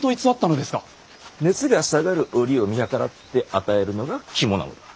熱が下がる折を見計らって与えるのが肝なのだ。